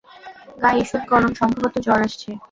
গা ঈষৎ গরম সম্ভবত জ্বর আসছে।